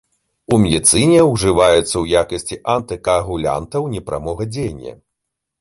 У медыцыне ўжываюцца ў якасці антыкаагулянтаў непрамога дзеяння.